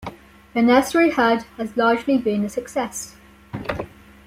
The nursery herd has largely been a success.